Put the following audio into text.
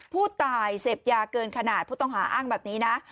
ผู้ตายเสพยาเกินขนาดผู้ต้องหาอ้างแบบนี้นะ